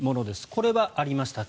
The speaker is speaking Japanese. これはありました。